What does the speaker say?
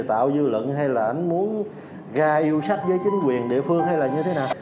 tạo dư luận hay là anh muốn ra yêu sách với chính quyền địa phương hay là như thế nào